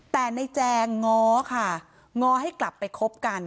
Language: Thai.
แต่ในแจงง้อค่ะง้อให้กลับไปคบกัน